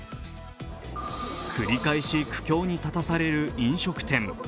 繰り返し苦境に立たされる飲食店